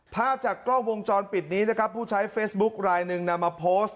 ภาพจากกล้องวงจรปิดนี้นะครับผู้ใช้เฟซบุ๊คลายหนึ่งนำมาโพสต์